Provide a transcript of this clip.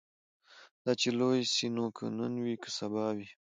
دا چي لوی سي نو که نن وي که سبا وي